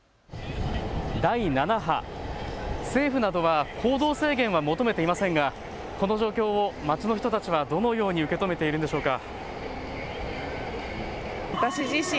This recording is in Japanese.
第７波、政府などは行動制限は求めていませんがこの状況を街の人たちは、どのように受け止めているんでしょうか。